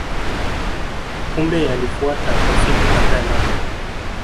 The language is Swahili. Kumbe yalifuata kwa siku kadhaa labda